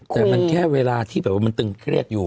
แต่มันแค่เวลาที่แบบว่ามันตึงเครียดอยู่